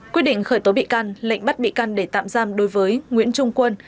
quyết định khởi tố bị can lệnh bắt bị can để tạm giam đối với nguyễn trung quân